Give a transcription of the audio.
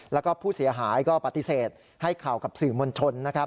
และผู้เสียหายปฏิเสธให้ข่อกับสื่อมณชน